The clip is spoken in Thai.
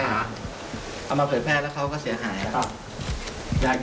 เอามาเผยแพร่แล้วเขาก็เสียหายครับ